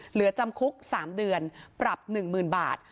เหลือจำคุก๓เดือนปรับ๑๐๐๐บาท